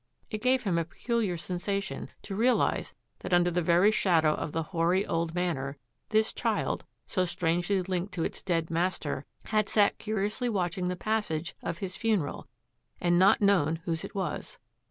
It gave him a peculiar sensation to realise that under the very shadow of the hoary old Manor this child, so strangely linked to its dead master, had sat curiously watching the pas sage of his funeral, and not known whose it was.